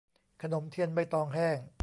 ขนมเทียนใบตองแห้ง